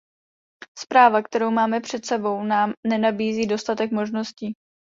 Zpráva, kterou máme před sebou, nám nenabízí dostatek možností.